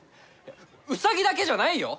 ウサギだけじゃないよ！